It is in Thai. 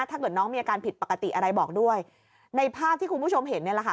ถ้าเกิดน้องมีอาการผิดปกติอะไรบอกด้วยในภาพที่คุณผู้ชมเห็นเนี่ยแหละค่ะ